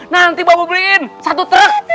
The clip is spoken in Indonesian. nanti babe beliin satu truk